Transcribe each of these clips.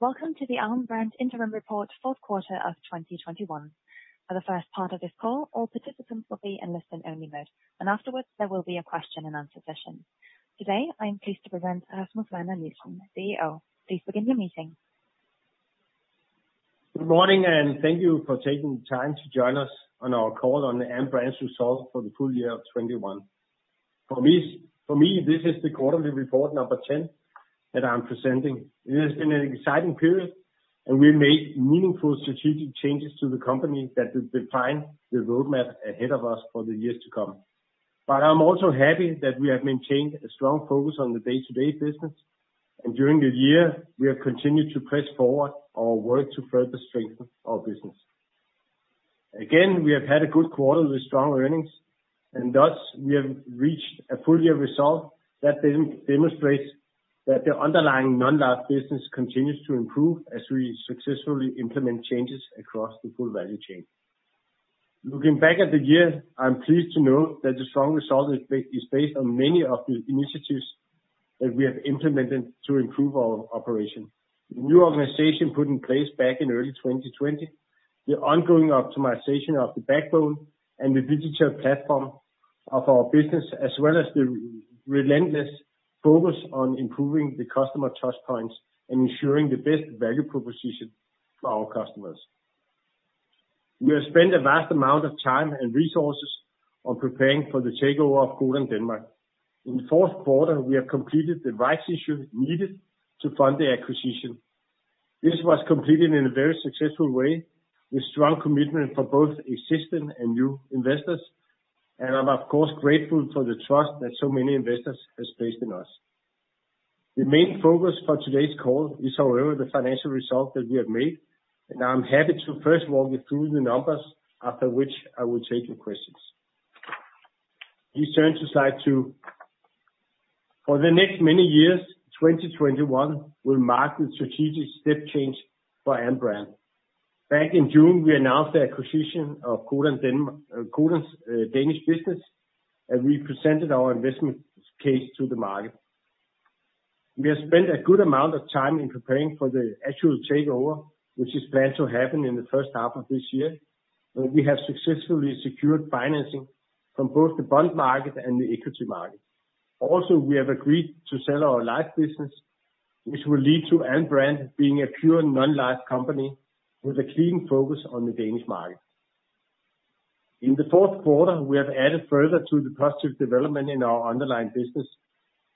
Welcome to the Alm. Brand Interim Report fourth quarter of 2021. For the first part of this call, all participants will be in listen-only mode, and afterwards there will be a question and answer session. Today, I am pleased to present Rasmus Werner Nielsen, CEO. Please begin your meeting. Good morning, thank you for taking the time to join us on our call on the Alm. Brand results for the full year of 2021. For me, this is the quarterly report number 10 that I'm presenting. It has been an exciting period, and we made meaningful strategic changes to the company that will define the roadmap ahead of us for the years to come. I'm also happy that we have maintained a strong focus on the day-to-day business, and during the year, we have continued to press forward our work to further strengthen our business. Again, we have had a good quarter with strong earnings, and thus we have reached a full year result that demonstrates that the underlying non-life business continues to improve as we successfully implement changes across the full value chain. Looking back at the year, I'm pleased to know that the strong result is based on many of the initiatives that we have implemented to improve our operation. The new organization put in place back in early 2020, the ongoing optimization of the backbone and the digital platform of our business, as well as the relentless focus on improving the customer touch points and ensuring the best value proposition for our customers. We have spent a vast amount of time and resources on preparing for the takeover of Codan Denmark. In the fourth quarter, we have completed the rights issue needed to fund the acquisition. This was completed in a very successful way with strong commitment for both existing and new investors, and I'm of course grateful for the trust that so many investors has placed in us. The main focus for today's call is however the financial result that we have made, and I'm happy to first walk you through the numbers after which I will take your questions. Please turn to slide two. For the next many years, 2021 will mark the strategic step change for Alm. Brand. Back in June, we announced the acquisition of Codan's Danish business, and we presented our investment case to the market. We have spent a good amount of time in preparing for the actual takeover, which is planned to happen in the first half of this year, and we have successfully secured financing from both the bond market and the equity market. Also, we have agreed to sell our life business, which will lead to Alm. Brand being a pure non-life company with a clean focus on the Danish market. In the fourth quarter, we have added further to the positive development in our underlying business,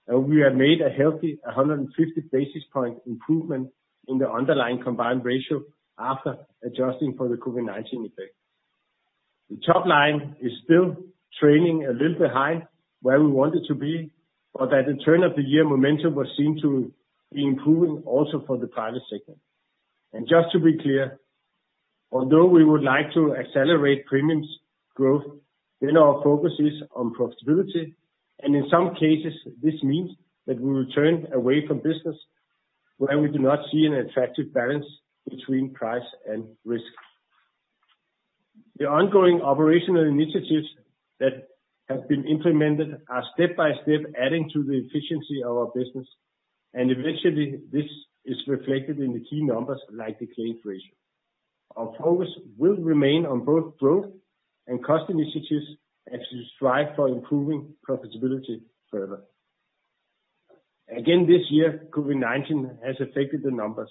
and we have made a healthy 150 basis point improvement in the underlying combined ratio after adjusting for the COVID-19 effect. The top line is still trailing a little behind where we want it to be, but at the turn of the year, momentum was seen to be improving also for the private sector. Just to be clear, although we would like to accelerate premiums growth, then our focus is on profitability. In some cases this means that we will turn away from business where we do not see an attractive balance between price and risk. The ongoing operational initiatives that have been implemented are step by step adding to the efficiency of our business, and eventually this is reflected in the key numbers like the claims ratio. Our focus will remain on both growth and cost initiatives as we strive for improving profitability further. Again this year, COVID-19 has affected the numbers.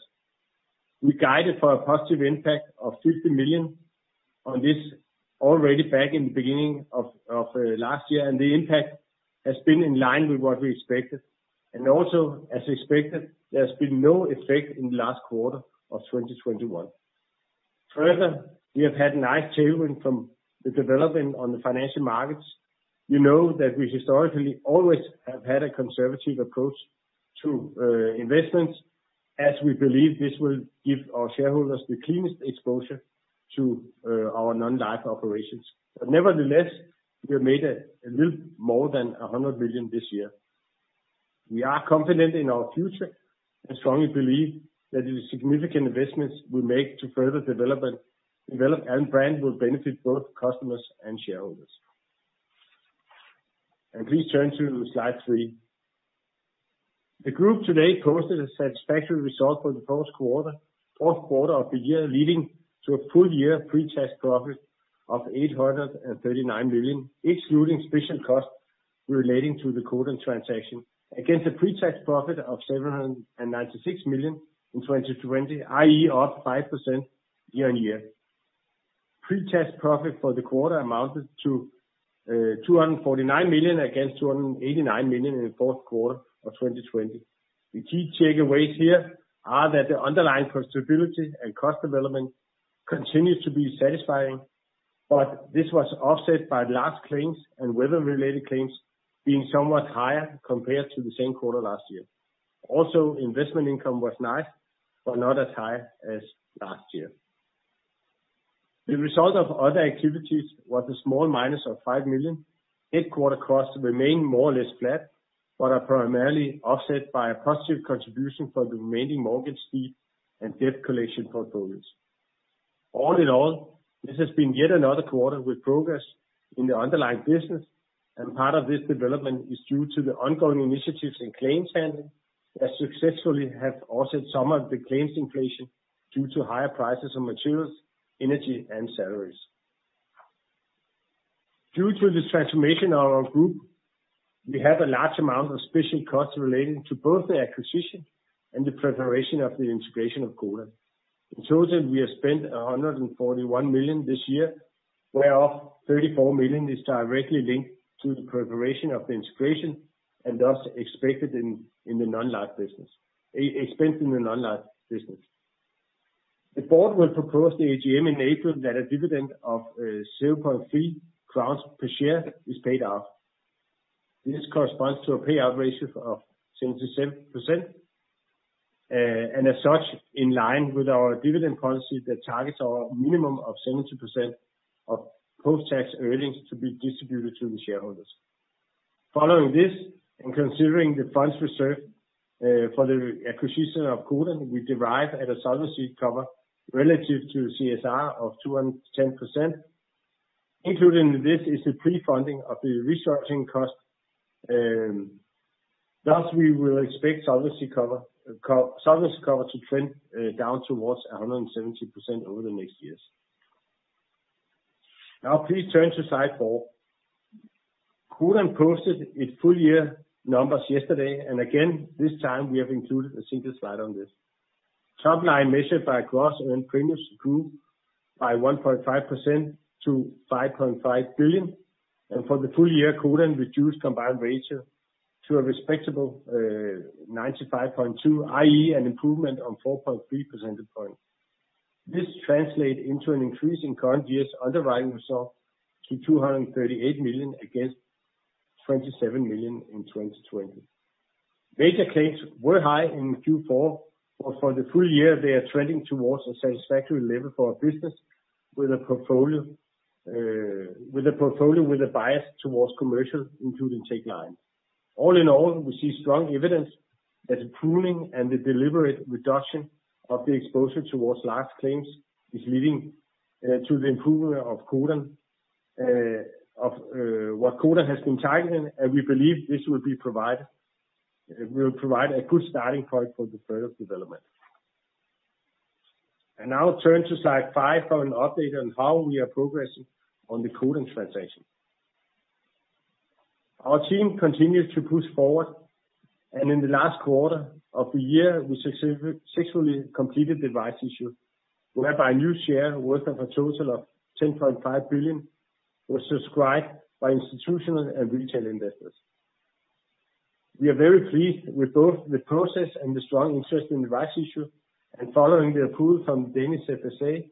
We guided for a positive impact of 50 million on this already back in the beginning of last year, and the impact has been in line with what we expected. Also, as expected, there's been no effect in the last quarter of 2021. Further, we have had nice tailwind from the development on the financial markets. You know that we historically always have had a conservative approach to investments as we believe this will give our shareholders the cleanest exposure to our non-life operations. Nevertheless, we have made a little more than 100 million this year. We are confident in our future and strongly believe that the significant investments we make to further develop Alm. Brand will benefit both customers and shareholders. Please turn to slide three. The group today posted a satisfactory result for the fourth quarter of the year, leading to a full year pre-tax profit of 839 million, excluding special costs relating to the Codan transaction, against a pre-tax profit of 796 million in 2020, i.e. up 5% year-over-year. Pre-tax profit for the quarter amounted to 249 million against 289 million in the fourth quarter of 2020. The key takeaways here are that the underlying profitability and cost development continued to be satisfying, but this was offset by large claims and weather-related claims being somewhat higher compared to the same quarter last year. Also, investment income was nice but not as high as last year. The result of other activities was a small minus of 5 million. Headquarters costs remain more or less flat, but are primarily offset by a positive contribution for the remaining mortgage fees and debt collection portfolios. All in all, this has been yet another quarter with progress in the underlying business, and part of this development is due to the ongoing initiatives in claims handling that successfully have offset some of the claims inflation due to higher prices of materials, energy, and salaries. Due to the transformation of our group, we have a large amount of special costs relating to both the acquisition and the preparation of the integration of Codan. In total, we have spent 141 million this year, whereof 34 million is directly linked to the preparation of the integration and thus expected in the non-life business expense in the non-life business. The board will propose the AGM in April that a dividend of 0.3 crowns per share is paid out. This corresponds to a payout ratio of 77%, and as such, in line with our dividend policy that targets our minimum of 70% of post-tax earnings to be distributed to the shareholders. Following this, and considering the funds reserved for the acquisition of Codan, we arrive at a solvency cover relative to SCR of 210%. Included in this is the pre-funding of the restructuring cost, thus we will expect solvency cover to trend down towards 170% over the next years. Now please turn to slide four. Codan posted its full year numbers yesterday, and again, this time we have included a single slide on this. Top line measured by gross earned premiums grew by 1.5% to 5.5 billion. For the full year, Codan reduced combined ratio to a respectable 95.2, i.e. an improvement of 4.3 percentage points. This translates into an increase in current year's underwriting result to 238 million against 27 million in 2020. Major claims were high in Q4, but for the full year they are trending towards a satisfactory level for our business with a portfolio with a bias towards commercial, including tanker line. All in all, we see strong evidence that the pruning and the deliberate reduction of the exposure towards large claims is leading to the improvement of what Codan has been targeting, and we believe this will provide a good starting point for the further development. Now turn to slide five for an update on how we are progressing on the Codan transaction. Our team continues to push forward, and in the last quarter of the year, we successfully completed the rights issue, whereby a new share worth of a total of 10.5 billion was subscribed by institutional and retail investors. We are very pleased with both the process and the strong interest in the rights issue, and following the approval from Danish FSA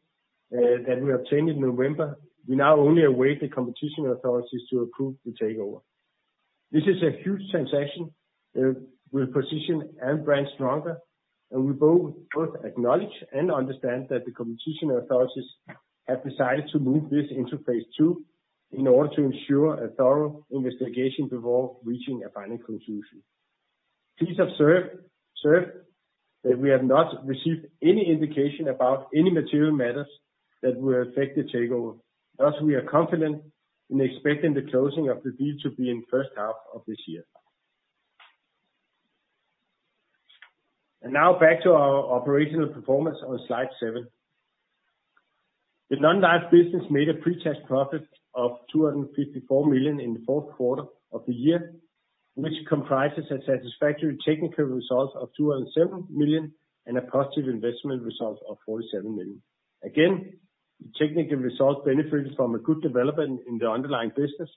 that we obtained in November, we now only await the competition authorities to approve the takeover. This is a huge transaction, will position Alm. Brand stronger, and we both acknowledge and understand that the competition authorities have decided to move this into phase II in order to ensure a thorough investigation before reaching a final conclusion. Please observe that we have not received any indication about any material matters that will affect the takeover. Thus, we are confident in expecting the closing of the deal to be in first half of this year. Now back to our operational performance on slide seven. The non-life business made a pre-tax profit of 254 million in the fourth quarter of the year, which comprises a satisfactory technical result of 207 million and a positive investment result of 47 million. Again, the technical result benefited from a good development in the underlying business,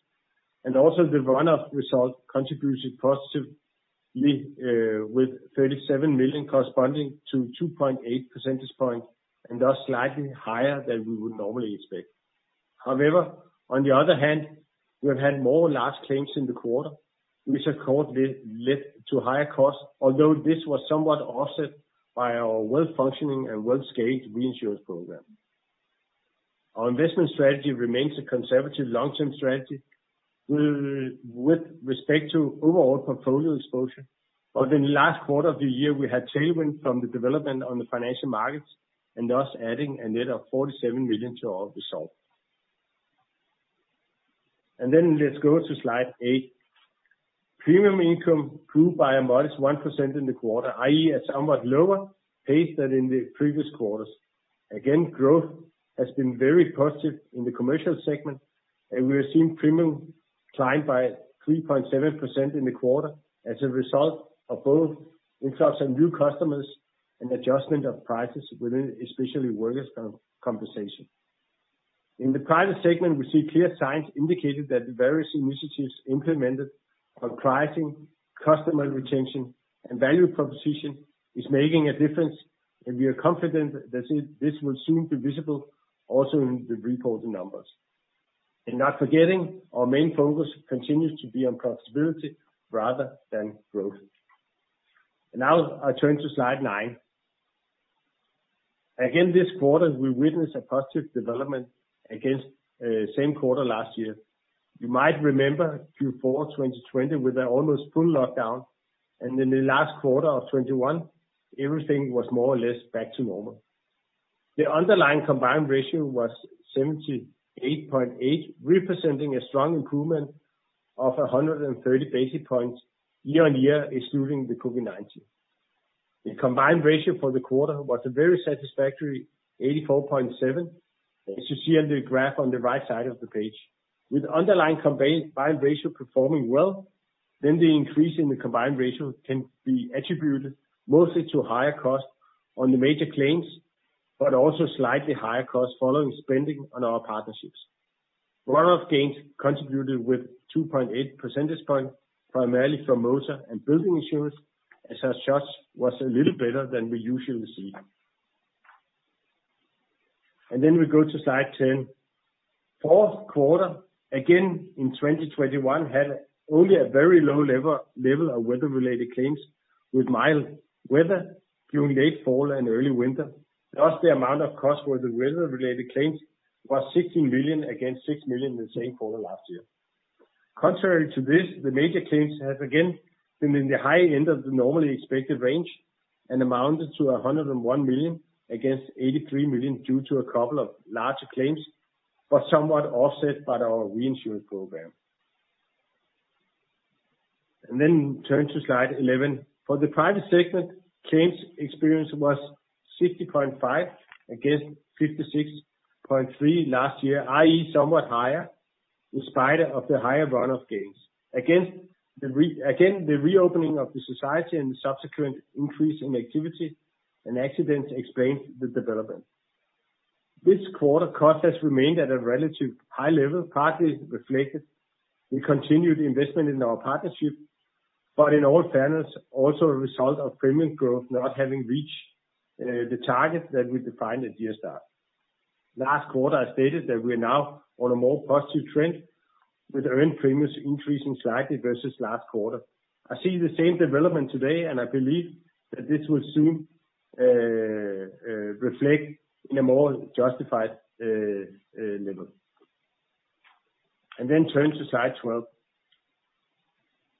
and also the run-off result contributed positively, with 37 million corresponding to 2.8 percentage point and thus slightly higher than we would normally expect. However, on the other hand, we have had more large claims in the quarter, which of course did lead to higher costs, although this was somewhat offset by our well-functioning and well-scaled reinsurance program. Our investment strategy remains a conservative long-term strategy with respect to overall portfolio exposure. In the last quarter of the year, we had tailwind from the development on the financial markets and thus adding a net of 47 million to our result. Let's go to slide eight. Premium income grew by a modest 1% in the quarter, i.e. at somewhat lower pace than in the previous quarters. Again, growth has been very positive in the commercial segment, and we have seen premium climb by 3.7% in the quarter as a result of both influx of new customers and adjustment of prices within especially workers' compensation. In the private segment, we see clear signs indicating that the various initiatives implemented on pricing, customer retention, and value proposition is making a difference, and we are confident that this will soon be visible also in the reported numbers. Not forgetting, our main focus continues to be on profitability rather than growth. Now I turn to slide nine. Again, this quarter, we witness a positive development against same quarter last year. You might remember Q4 2020 with an almost full lockdown, and in the last quarter of 2021, everything was more or less back to normal. The underlying combined ratio was 78.8, representing a strong improvement of 130 basis points year-on-year, excluding the COVID-19. The combined ratio for the quarter was a very satisfactory 84.7, as you see on the graph on the right side of the page. With underlying combined ratio performing well, the increase in the combined ratio can be attributed mostly to higher costs on the major claims, but also slightly higher costs following spending on our partnerships. Run-off gains contributed with 2.8 percentage points, primarily from motor and building insurance, as such was a little better than we usually see. We go to slide 10. Fourth quarter, again in 2021, had only a very low level of weather-related claims with mild weather during late fall and early winter. Thus, the amount of cost for the weather-related claims was 16 million against 6 million in the same quarter last year. Contrary to this, the major claims has again been in the high end of the normally expected range and amounted to 101 million against 83 million due to a couple of larger claims, but somewhat offset by our reinsurance program. Turn to slide 11. For the private segment, claims experience was 60.5% against 56.3% last year, i.e., somewhat higher in spite of the higher run-off gains. The reopening of the society and the subsequent increase in activity and accidents explains the development. This quarter costs has remained at a relatively high level, partly reflected in continued investment in our partnership, but in all fairness, also a result of premium growth not having reached the target that we defined at year start. Last quarter, I stated that we are now on a more positive trend with earned premiums increasing slightly versus last quarter. I see the same development today, and I believe that this will soon reflect in a more justified level. Turn to slide 12.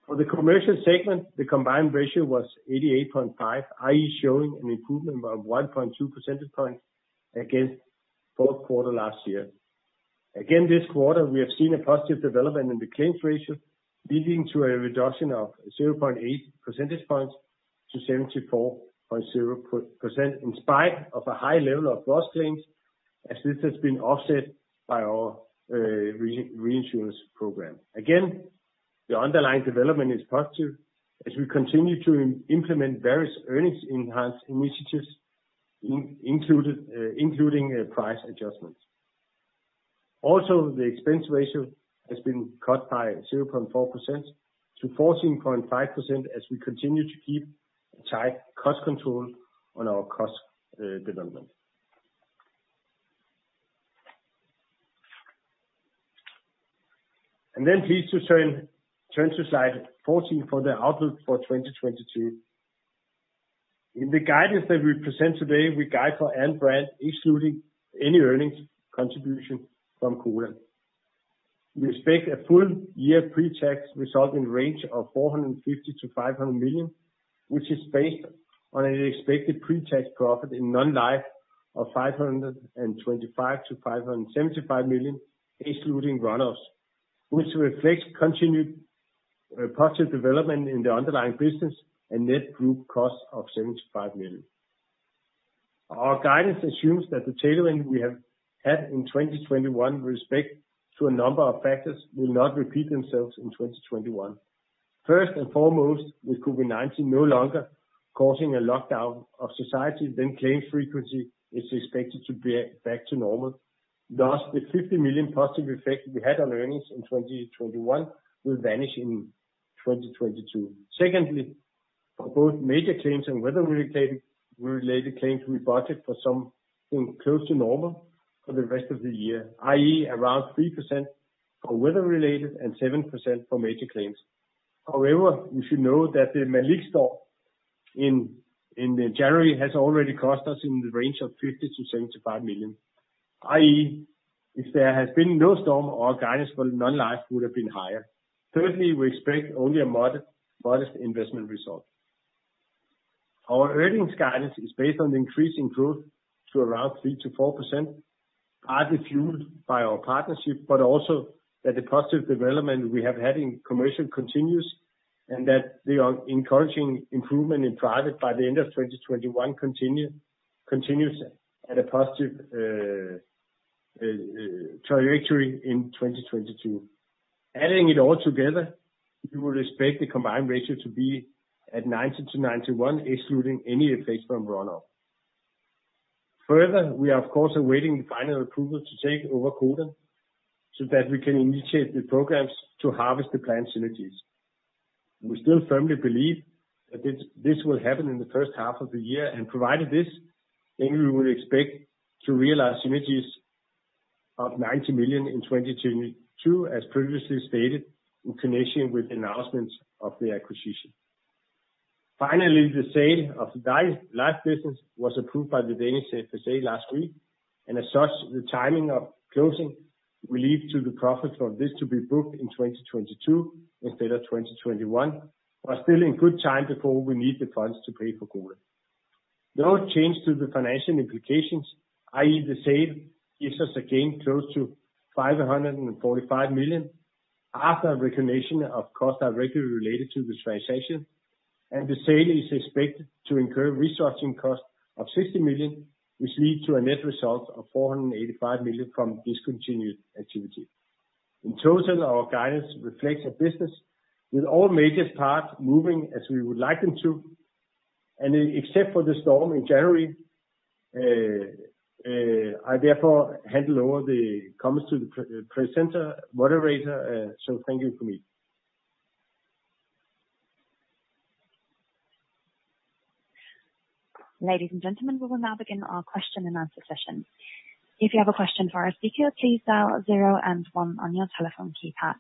For the Commercial segment, the combined ratio was 88.5, i.e., showing an improvement of 1.2 percentage points against fourth quarter last year. Again, this quarter we have seen a positive development in the claims ratio leading to a reduction of 0.8 percentage points to 74.0% in spite of a high level of loss claims as this has been offset by our reinsurance program. Again, the underlying development is positive as we continue to implement various earnings enhanced initiatives including price adjustments. The expense ratio has been cut by 0.4% to 14.5% as we continue to keep tight cost control on our cost development. Please turn to slide 14 for the outlook for 2022. In the guidance that we present today, we guide for Alm. Brand excluding any earnings contribution from Codan. We expect a full-year pre-tax result in the range of 450 million-500 million, which is based on an expected pre-tax profit in non-life of 525 million-575 million, excluding run-offs, which reflects continued positive development in the underlying business and net group cost of 75 million. Our guidance assumes that the tailwind we have had in 2021 with respect to a number of factors will not repeat themselves in 2021. First and foremost, with COVID-19 no longer causing a lockdown of society, then claim frequency is expected to be back to normal. Thus, the 50 million positive effect we had on earnings in 2021 will vanish in 2022. Secondly, for both major claims and weather related claims, we budget for something close to normal for the rest of the year, i.e., around 3% for weather related and 7% for major claims. However, you should know that Storm Malik in January has already cost us in the range of 50 million-75 million, i.e., if there has been no storm, our guidance for non-life would have been higher. Thirdly, we expect only a modest investment result. Our earnings guidance is based on increasing growth to around 3%-4%, partly fueled by our partnership, but also that the positive development we have had in commercial continues, and that the encouraging improvement in private by the end of 2021 continues at a positive trajectory in 2022. Adding it all together, we will expect the combined ratio to be at 90%-91%, excluding any effect from run-off. Further, we are of course awaiting the final approval to take over Codan so that we can initiate the programs to harvest the planned synergies. We still firmly believe that this will happen in the first half of the year. Provided this, then we will expect to realize synergies of 90 million in 2022 as previously stated in connection with the announcement of the acquisition. Finally, the sale of the life business was approved by the Danish FSA last week. As such, the timing of closing will lead to the profit from this to be booked in 2022 instead of 2021. Still in good time before we need the funds to pay for Codan. No change to the financial implications, i.e. the sale gives us a gain close to 545 million after recognition of costs directly related to the transaction. The sale is expected to incur restructuring costs of 60 million, which lead to a net result of 485 million from discontinued activity. In total, our guidance reflects a business with all major parts moving as we would like them to, and, except for the storm in January, I therefore hand over the comments to our presenter, the moderator. Thank you from me. Ladies and gentlemen, we will now begin our question and answer session. If you have a question for us, if you'll "please dial zero and one" on your telephone keypad.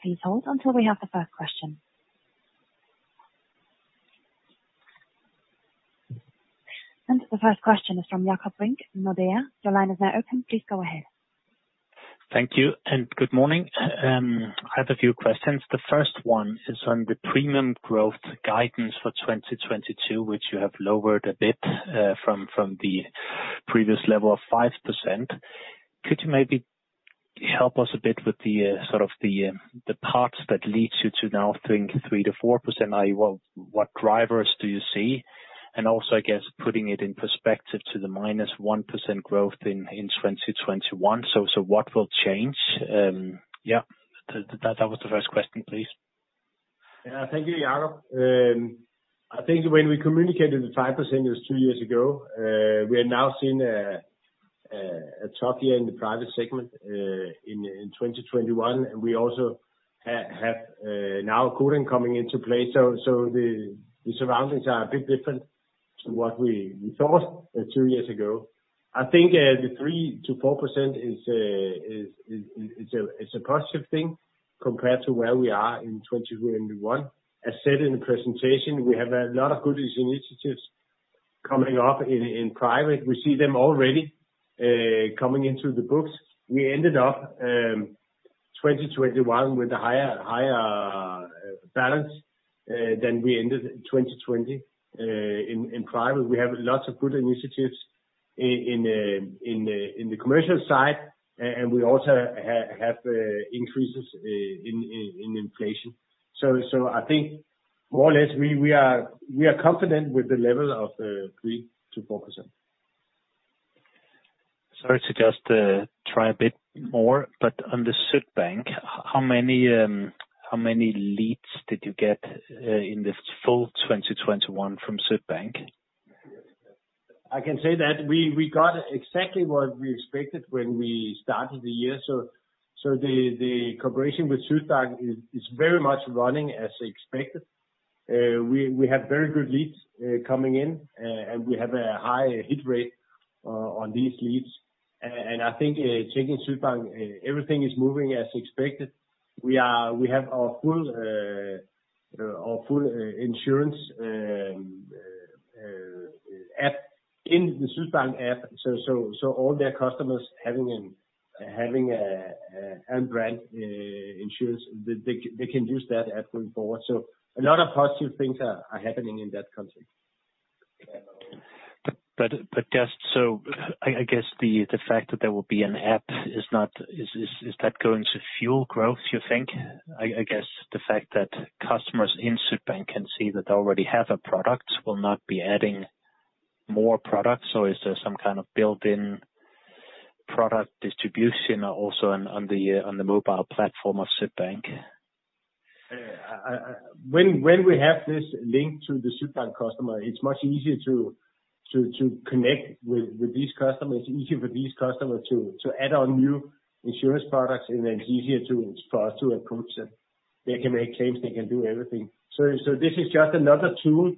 Please hold until we have the first question. The first question is from Jakob Brink, Nordea. Your line is now open. Please go ahead. Thank you and good morning. I have a few questions. The first one is on the premium growth guidance for 2022, which you have lowered a bit, from the previous level of 5%. Could you maybe help us a bit with the sort of parts that leads you to now think 3%-4%, i.e. what drivers do you see? And also, I guess, putting it in perspective to the -1% growth in 2021. What will change? Yeah, that was the first question, please. Thank you, Jakob. I think when we communicated the 5%, it was two years ago. We are now seeing a tough year in the private segment in 2021, and we also have now Codan coming into play. The surroundings are a bit different to what we thought two years ago. I think the 3%-4% is a positive thing compared to where we are in 2021. As said in the presentation, we have a lot of good initiatives coming up in private. We see them already coming into the books. We ended up 2021 with a higher balance than we ended 2020. In private, we have lots of good initiatives in the commercial side, and we also have increases in inflation. I think more or less we are confident with the level of 3%-4%. Sorry to just try a bit more, but on the Sydbank, how many leads did you get in the full 2021 from Sydbank? I can say that we got exactly what we expected when we started the year. The cooperation with Sydbank is very much running as expected. We have very good leads coming in, and we have a high hit rate on these leads. I think checking Sydbank everything is moving as expected. We have our full insurance app in the Sydbank app. All their customers having a Alm. Brand insurance that they can use that app going forward. A lot of positive things are happening in that country. Just so I guess the fact that there will be an app is that going to fuel growth, you think? I guess the fact that customers in Sydbank can see that they already have a product will not be adding more products. Is there some kind of built-in product distribution also on the mobile platform of Sydbank? When we have this link to the Sydbank customer, it's much easier to connect with these customers, easier for these customers to add on new insurance products, and then it's easier for us to approach them. They can make claims, they can do everything. This is just another tool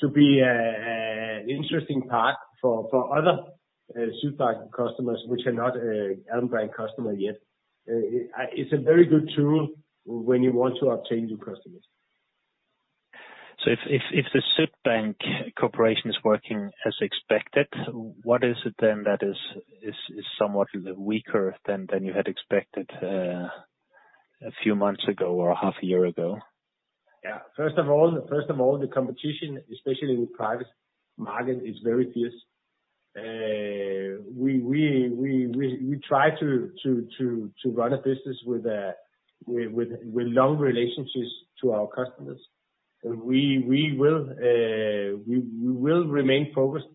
to be an interesting part for other Sydbank customers, which are not an Alm. Brand customer yet. It's a very good tool when you want to obtain new customers. If the Sydbank cooperation is working as expected, what is it then that is somewhat weaker than you had expected, a few months ago or a half a year ago? Yeah. First of all, the competition, especially with private market, is very fierce. We try to run a business with long relationships to our customers. We will remain focused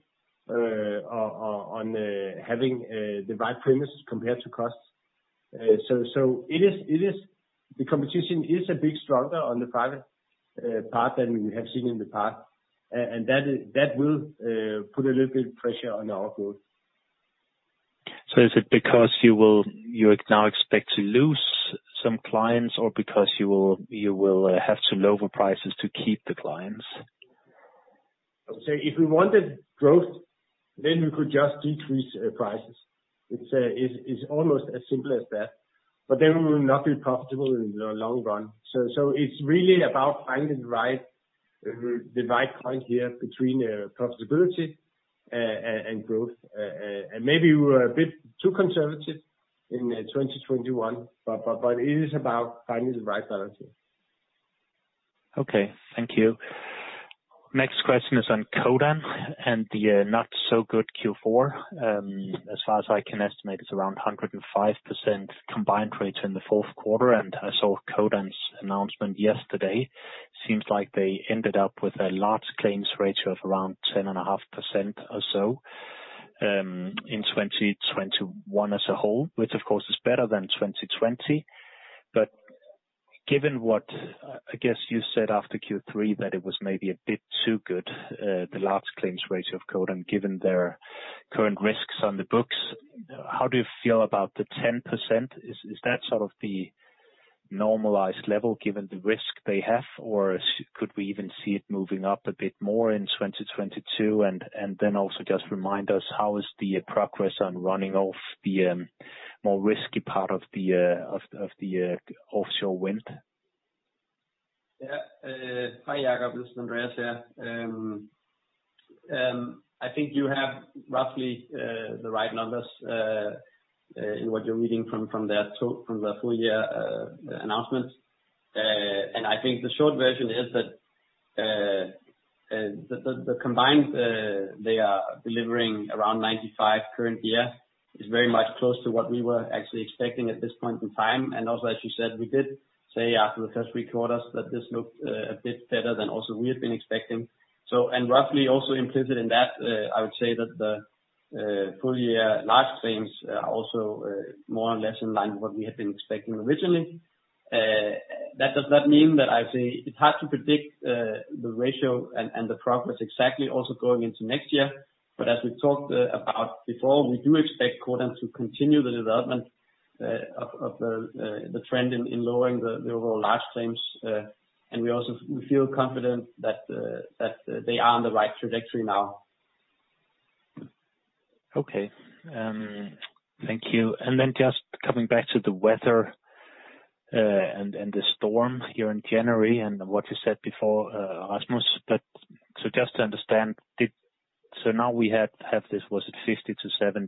on having the right premiums compared to costs. The competition is a bit stronger on the private part than we have seen in the past. That will put a little bit of pressure on our growth. Is it because you now expect to lose some clients or because you will have to lower prices to keep the clients? If we wanted growth, then we could just decrease prices. It's almost as simple as that. Then we will not be profitable in the long run. It's really about finding the right point here between profitability and growth. Maybe we were a bit too conservative in 2021, but it is about finding the right balance here. Okay, thank you. Next question is on Codan and the not so good Q4. As far as I can estimate, it's around 105% combined ratio in the fourth quarter. I saw Codan's announcement yesterday. It seems like they ended up with a large claims ratio of around 10.5% or so in 2021 as a whole. Which of course is better than 2020. Given what, I guess, you said after Q3, that it was maybe a bit too good, the large claims ratio of Codan, given their current risks on the books, how do you feel about the 10%? Is that sort of the normalized level given the risk they have? Or could we even see it moving up a bit more in 2022? Also just remind us how is the progress on run-off of the more risky part of the offshore wind? Hi Jakob, this is Andreas here. I think you have roughly the right numbers in what you're reading from the full year announcement. I think the short version is that the combined they are delivering around 95% current year is very much close to what we were actually expecting at this point in time. Also, as you said, we did say after the first three quarters that this looked a bit better than also we had been expecting. Roughly also implicit in that, I would say that the full year large claims are also more or less in line with what we had been expecting originally. That does not mean that I say it's hard to predict the ratio and the progress exactly also going into next year. As we talked about before, we do expect Codan to continue the development of the trend in lowering the overall large claims. We also feel confident that they are on the right trajectory now. Okay. Thank you. Then just coming back to the weather, and the storm here in January and what you said before, Rasmus. So just to understand, now we have this, was it 50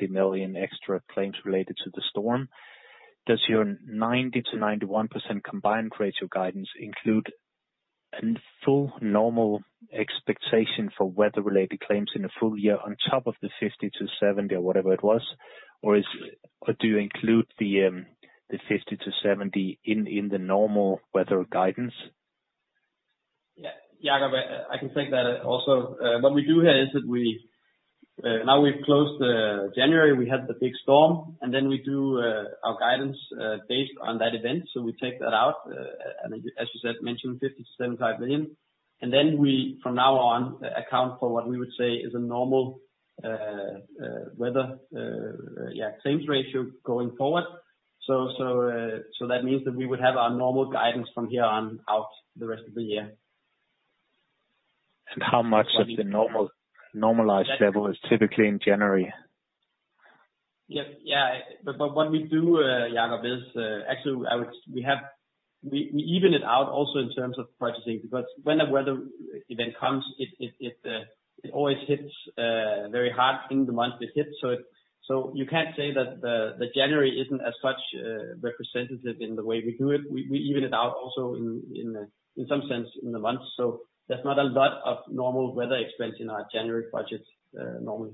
million-70 million extra claims related to the storm? Does your 90%-91% combined ratio guidance include a full normal expectation for weather-related claims in the full year on top of the 50-70 or whatever it was? Or do you include the 50-70 in the normal weather guidance? Yeah, Jacob, I can take that also. What we do here is that we now we've closed January, we had the big storm, and then we do our guidance based on that event. We take that out. As you mentioned 50 million-75 million. We from now on account for what we would say is a normal weather yeah claims ratio going forward. That means that we would have our normal guidance from here on out the rest of the year. How much of the normal, normalized level is typically in January? Yeah. What we do, Jakob, is we even it out also in terms of pricing because when a weather event comes, it always hits very hard in the month it hits. You can't say that the January isn't as such representative in the way we do it. We even it out also in some sense in the month. There's not a lot of normal weather expense in our January budget normally.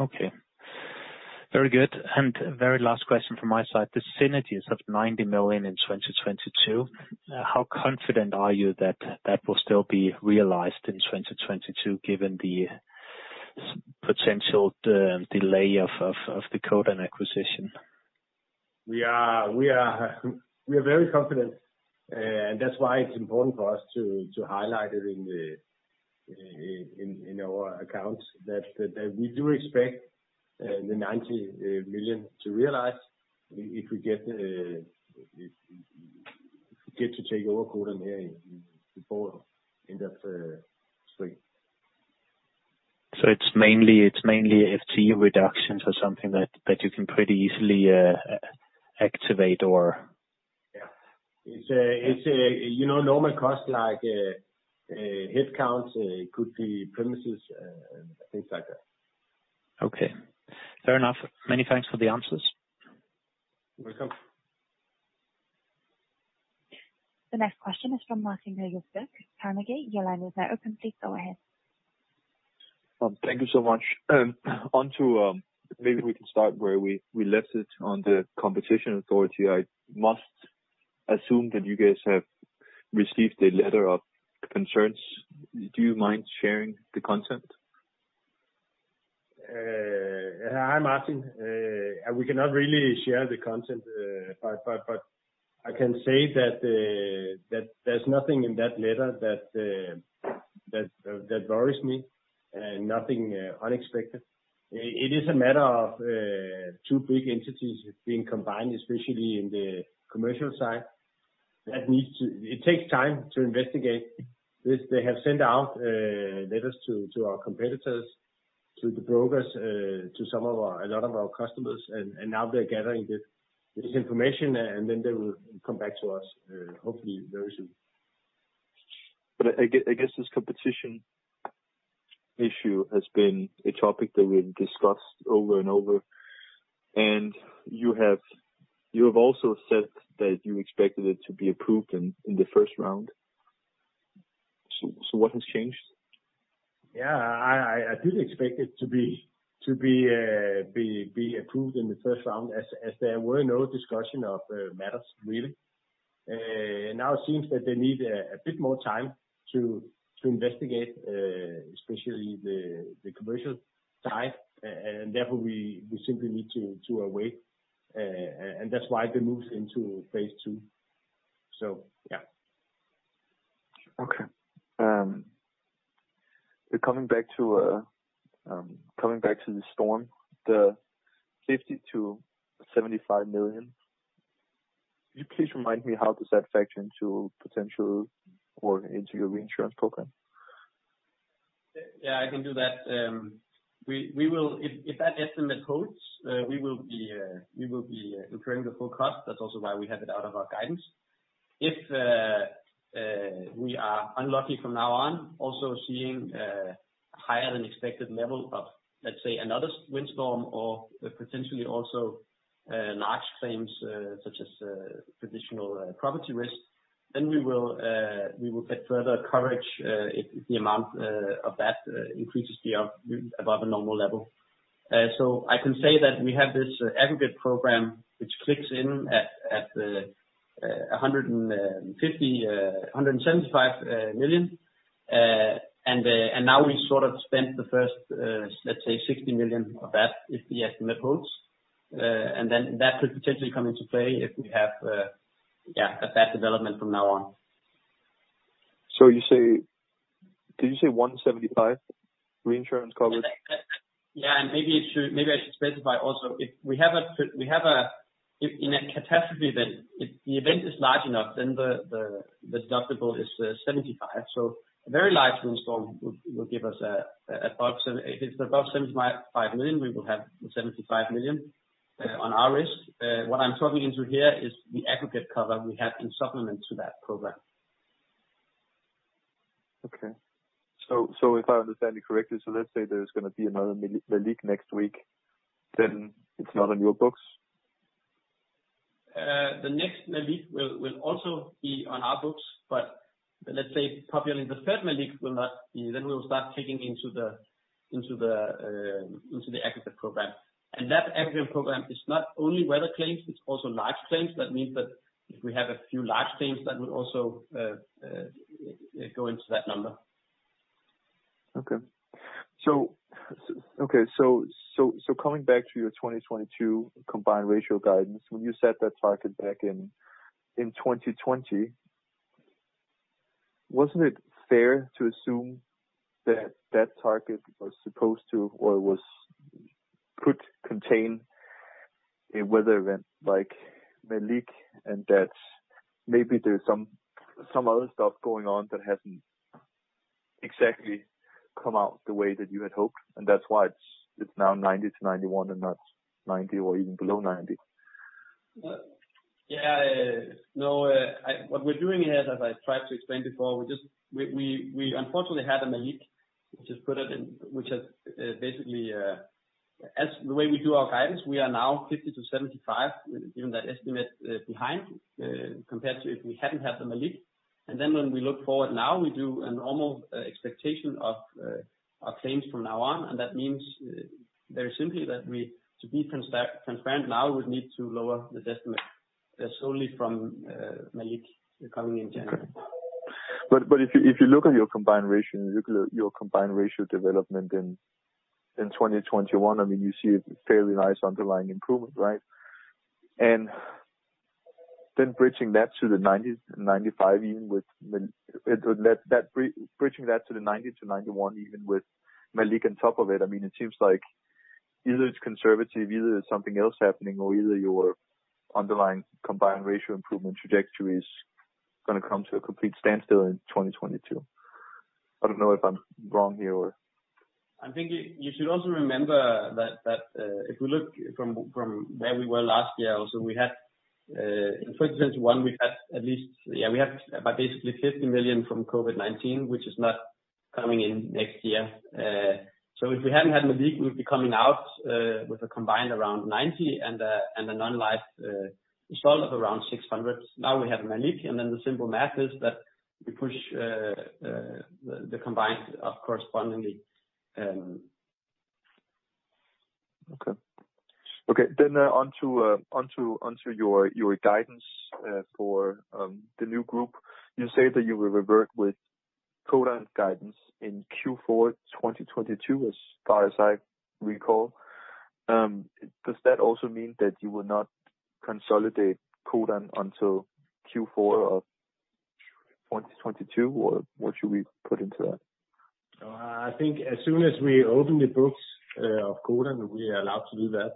Okay. Very good. Very last question from my side. The synergies of 90 million in 2022, how confident are you that that will still be realized in 2022, given the potential delay of the Codan acquisition? We are very confident, and that's why it's important for us to highlight it in our accounts that we do expect the 90 million to realize if we get to take over Codan here before end of spring. It's mainly FTE reductions or something that you can pretty easily activate or? Yeah. It's a, you know, normal cost like headcounts. It could be premises and things like that. Okay. Fair enough. Many thanks for the answers. You're welcome. The next question is from Martin, Carnegie. Your line is now open. Please go ahead. Thank you so much. On to maybe we can start were we listed on the computation towards this month. How soon could you guess, we skip the letter of uncharge. Do you mind sharing the consent? Hi Martin. We cannot really share the consent but I can say that there's nothing in that letter that varies me and nothing unexpected. It is a matter of two big entities being combine especially on the commercial side that needs. I guess this competition issue has been a topic that we've discussed over and over. You have also said that you expected it to be approved in the first round. What has changed? Yeah, I did expect it to be approved in the first round as there were no discussion of matters really. Now it seems that they need a bit more time to investigate, especially the commercial side, and therefore we simply need to await. That's why they moved into phase II. Coming back to the storm, the 50 million-75 million, could you please remind me how does that factor into potential or into your reinsurance program? I can do that. If that estimate holds, we will be incurring the full cost. That's also why we have it out of our guidance. If we are unlucky from now on also seeing higher than expected level of, let's say, another windstorm or potentially also large claims, such as traditional property risk, then we will get further coverage if the amount of that increases above a normal level. I can say that we have this aggregate programme which kicks in at 175 million. Now we sort of spent the first, let's say, 60 million of that if the estimate holds. That could potentially come into play if we have a bad development from now on. Did you say 175 reinsurance coverage? Maybe I should specify also. In a catastrophe event, if the event is large enough, then the deductible is 75 million. A very large windstorm will give us, if it's above 75 million, we will have the 75 million on our risk. What I'm talking about here is the aggregate cover we have in supplement to that program. Okay. If I understand you correctly, let's say there's gonna be another Malik next week, then it's not on your books. The next Malik will also be on our books, but let's say probably the third Malik will not be. Then we'll start kicking into the aggregate program. That aggregate program is not only weather claims, it's also large claims. That means that if we have a few large claims, that would also go into that number. Coming back to your 2022 combined ratio guidance, when you set that target back in 2020, wasn't it fair to assume that that target was supposed to or could contain a weather event like Malik, and that maybe there's some other stuff going on that hasn't exactly come out the way that you had hoped, and that's why it's now 90%-91% and not 90% or even below 90%? Yeah. No, what we're doing here, as I tried to explain before, we just unfortunately had a Malik, which has basically put it in. As the way we do our guidance, we are now 50 million-75 million, given that estimate, behind compared to if we hadn't had the Malik. When we look forward now, we do a normal expectation of claims from now on. That means, very simply, that we, to be transparent now, would need to lower the estimate. That's only from Malik coming in January. If you look at your combined ratio, your combined ratio development in 2021, I mean, you see a fairly nice underlying improvement, right? Bridging that to the 90%-91% even with Malik on top of it, I mean, it seems like either it's conservative, either it's something else happening, or either your underlying combined ratio improvement trajectory is gonna come to a complete standstill in 2022. I don't know if I'm wrong here. I think you should also remember that if we look from where we were last year also, we had in 2021 at least about basically 50 million from COVID-19, which is not coming in next year. If we hadn't had Malik, we'd be coming out with a combined around 90% and a non-life solvency of around 600. Now we have Malik, and then the simple math is that we push the combined up correspondingly. Okay. Onto your guidance for the new group. You say that you will revert with Codan's guidance in Q4 2022, as far as I recall. Does that also mean that you will not consolidate Codan until Q4 of 2022, or what should we put into that? I think as soon as we open the books of Codan, we are allowed to do that,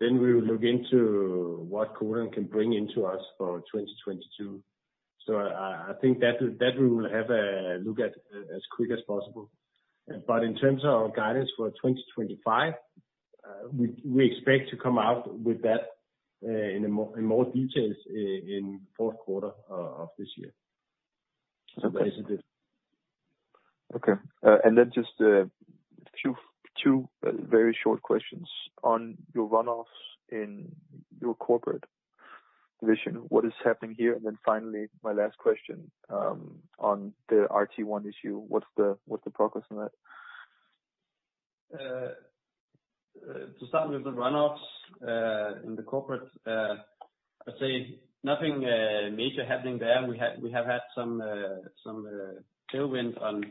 then we will look into what Codan can bring into us for 2022. We will have a look as quick as possible. In terms of our guidance for 2025, we expect to come out with that in more details in fourth quarter of this year. Okay. Just two very short questions on your run-offs in your corporate division. What is happening here? Finally, my last question on the RT1 issue, what's the progress on that? To start with the runoffs in the corporate, I'd say nothing major happening there. We have had some tailwind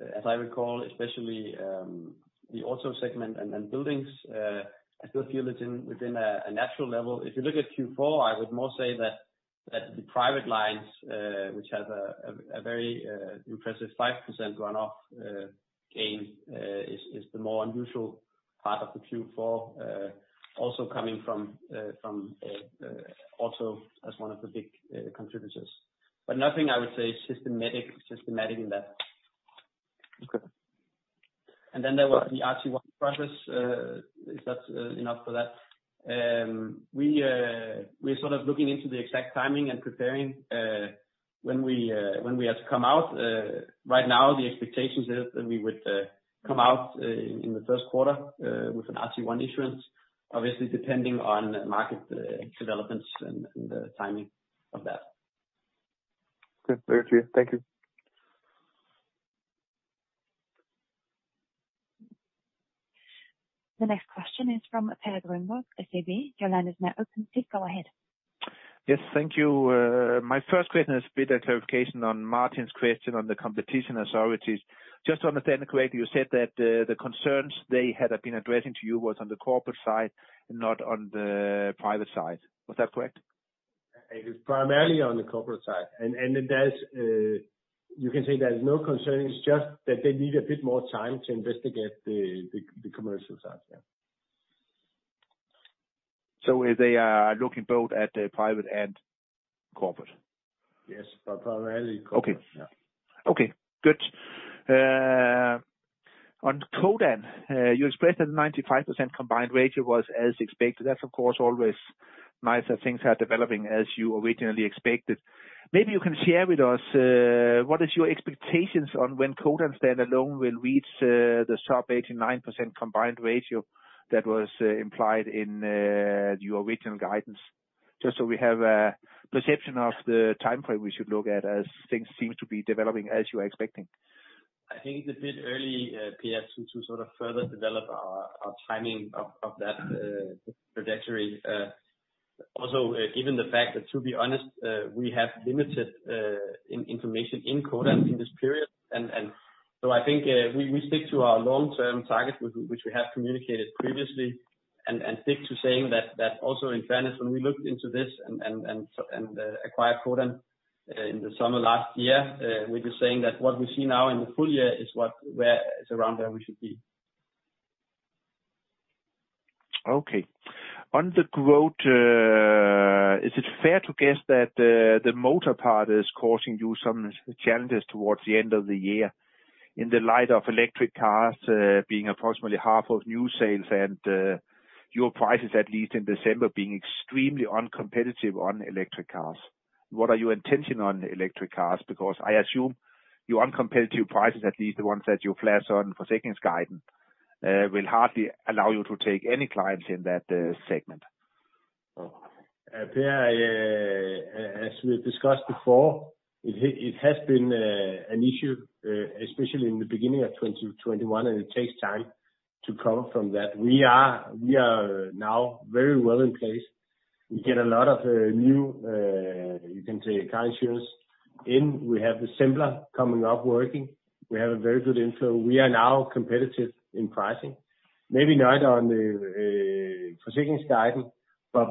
on, as I recall, especially the auto segment and buildings. I still feel it's within a natural level. If you look at Q4, I would more say that the private lines, which have a very impressive 5% runoff gain, is the more unusual part of the Q4, also coming from auto as one of the big contributors. Nothing I would say systematic in that. Okay. There was the RT1 process. If that's enough for that. We're sort of looking into the exact timing and preparing when we have to come out. Right now, the expectations is that we would come out in the first quarter with an RT1 insurance, obviously depending on market developments and the timing of that. Good. Very clear. Thank you. The next question is from Per Grønborg, SEB. Your line is now open. Please go ahead. Yes. Thank you. My first question is a bit of clarification on Martin's question on the competition authorities. Just to understand correctly, you said that the concerns they had been addressing to you was on the corporate side and not on the private side. Was that correct? It was primarily on the corporate side. You can say there's no concerns, just that they need a bit more time to investigate the commercial side, yeah. They are looking both at the private and corporate? Yes. Primarily corporate. Okay. Yeah Okay, good. On Codan, you expressed that 95% combined ratio was as expected. That's of course always nice that things are developing as you originally expected. Maybe you can share with us what is your expectations on when Codan standalone will reach the sub 89% combined ratio that was implied in your original guidance? Just so we have a perception of the timeframe we should look at as things seem to be developing as you are expecting. I think it's a bit early, Per, to sort of further develop our timing of that trajectory. Also given the fact that, to be honest, we have limited information in Codan in this period. I think we stick to our long-term target, which we have communicated previously, and stick to saying that also in fairness, when we looked into this and acquired Codan in the summer last year, we were saying that what we see now in the full year is around where we should be. Okay. On the growth, is it fair to guess that the motor part is causing you some challenges towards the end of the year in the light of electric cars being approximately half of new sales and your prices, at least in December, being extremely uncompetitive on electric cars? What are your intentions on electric cars? Because I assume your uncompetitive prices, at least the ones that you flashed on for second guidance, will hardly allow you to take any clients in that segment. Per, as we discussed before, it has been an issue, especially in the beginning of 2021, and it takes time to come from that. We are now very well in place. We get a lot of new, you can say car insurers in. We have the Semler coming up working. We have a very good inflow. We are now competitive in pricing. Maybe not on the for second guidance, but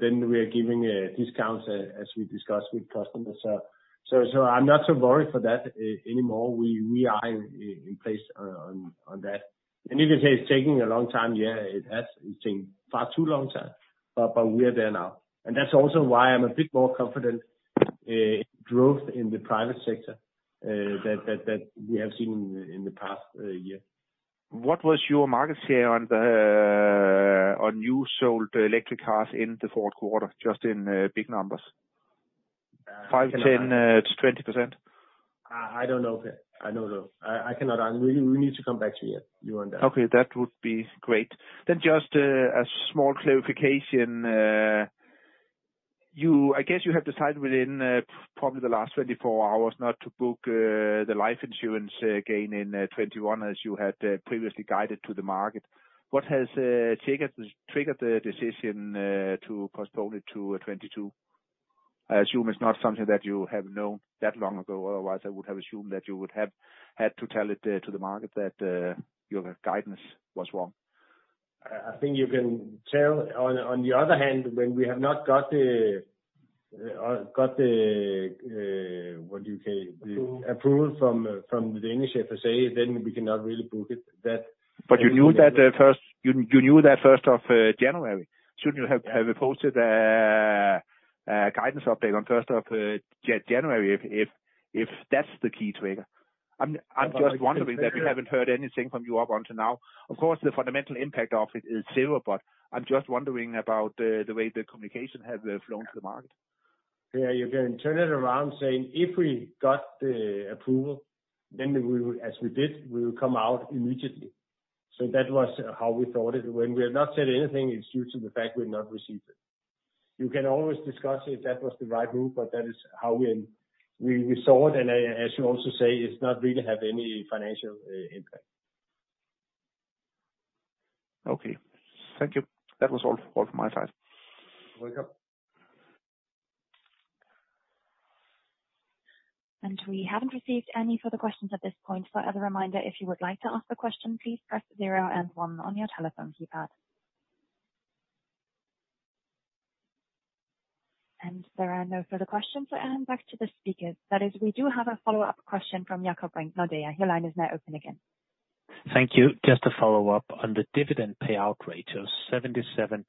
then we are giving discounts as we discuss with customers. I'm not so worried for that anymore. We are in place on that. You can say it's taking a long time, it has. It's taking far too long time, but we are there now. That's also why I'm a bit more confident growth in the private sector that we have seen in the past year. What was your market share on new sold electric cars in the fourth quarter, just in big numbers? I cannot- 5, 10, to 20%? I don't know, Per. I don't know. I cannot. We need to come back to you on that. Okay. That would be great. Just a small clarification. I guess you have decided within probably the last 24 hours not to book the life insurance gain in 2021 as you had previously guided to the market. What has triggered the decision to postpone it to 2022? I assume it's not something that you have known that long ago. Otherwise, I would have assumed that you would have had to tell it to the market that your guidance was wrong. I think you can tell, on the other hand, when we have not got the what you can Approval. approval from the Danish FSA, then we cannot really book it that You knew that first of January. Shouldn't you have posted guidance update on first of January if that's the key trigger? I'm just wondering that we haven't heard anything from you up until now. Of course, the fundamental impact of it is zero, but I'm just wondering about the way the communication has flowed to the market. You can turn it around saying, if we got the approval, then we will as we did, we will come out immediately. That was how we thought it. When we have not said anything, it's due to the fact we've not received it. You can always discuss if that was the right move, but that is how we saw it. As you also say, it's not really have any financial impact. Okay. Thank you. That was all from my side. Welcome. We haven't received any further questions at this point. As a reminder, if you would like to ask a question, "please press zero and one" on your telephone keypad. There are no further questions so I hand back to the speakers. That is, we do have a follow-up question from Jakob Brink. Your line is now open again. Thank you. Just to follow up on the dividend payout rate of 77%,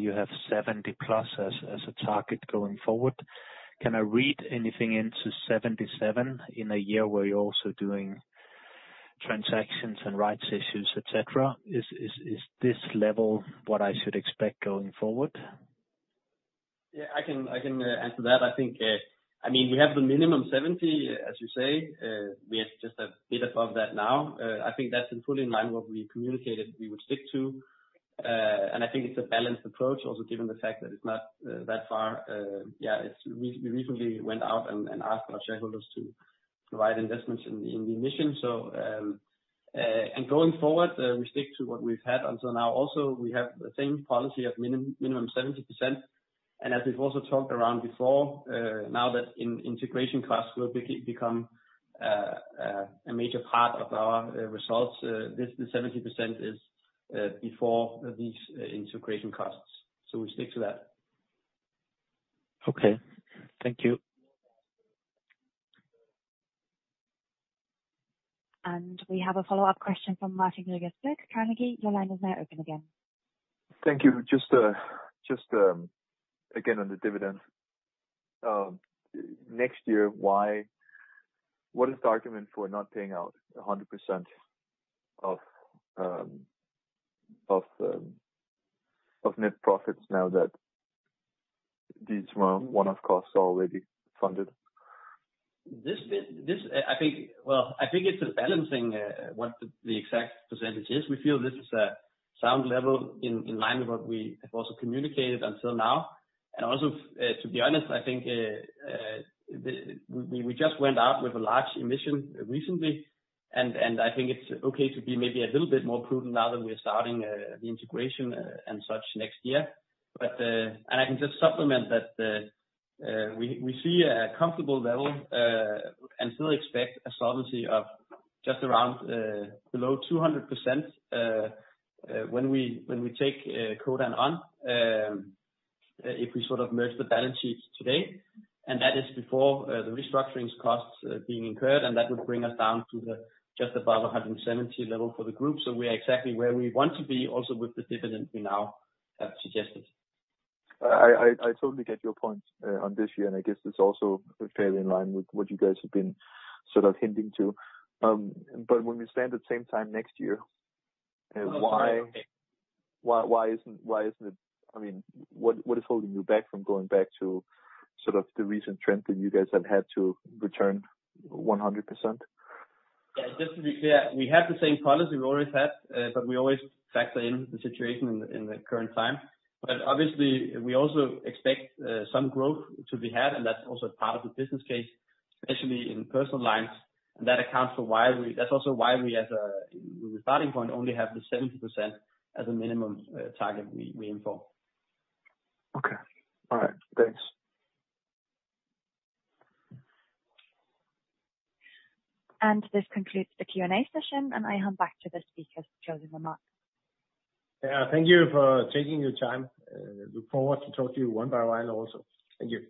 you have 70%+ as a target going forward. Can I read anything into 77% in a year where you're also doing transactions and rights issues, et cetera? Is this level what I should expect going forward? I can answer that. I think, I mean, we have the minimum 70%, as you say. We are just a bit above that now. I think that's fully in line with what we communicated we would stick to. I think it's a balanced approach also given the fact that it's not that far. Yeah, we recently went out and asked our shareholders to provide investments in the emission. Going forward, we stick to what we've had until now. Also, we have the same policy of minimum 70%. As we've also talked about before, now that integration costs will become a major part of our results, the 70% is before these integration costs. We stick to that. Okay. Thank you. We have a follow-up question from Martin, Carnegie. Your line is now open again. Thank you. Just again on the dividend. Next year, what is the argument for not paying out 100% of net profits now that these one-off costs are already funded? This bit, I think. Well, I think it's a balancing, what the exact percentage is. We feel this is a sound level in line with what we have also communicated until now. To be honest, I think, we just went out with a large emission recently, and I think it's okay to be maybe a little bit more prudent now that we're starting the integration and such next year. I can just supplement that, we see a comfortable level and still expect a solvency of just around below 200% when we take Codan on, if we sort of merge the balance sheets today. That is before the restructuring costs being incurred, and that would bring us down to just above 170% level for the group. We are exactly where we want to be also with the dividend we now have suggested. I totally get your point on this year, and I guess it's also fairly in line with what you guys have been sort of hinting to. When we stand at the same time next year, why- Oh, okay. Why isn't it? I mean, what is holding you back from going back to sort of the recent trend that you guys have had to return 100%? Yeah, just to be clear, we have the same policy we've always had, but we always factor in the situation in the current time. Obviously we also expect some growth to be had, and that's also part of the business case, especially in personal lines. That's also why we as a starting point only have the 70% as a minimum target we inform. Okay. All right. Thanks. This concludes the Q&A session, and I hand back to the speakers to close the remarks. Yeah, thank you for taking your time. I look forward to talking to you one by one also. Thank you.